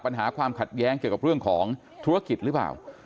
ปัญหาความขัดแย้งเกี่ยวกับเรื่องของธุรกิจหรือเปล่า